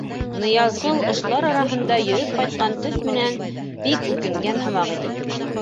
Ныязғол ошолар араһында йөрөп ҡайтҡан төҫ менән, бик үкенгән һымаҡ итеп: